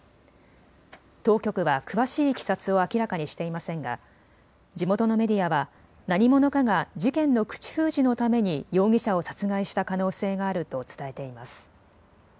当局は詳しいいきさつを明らかにしていませんが地元のメディアは何者かが事件の口封じのために容疑者を殺害した可能性があると伝えています。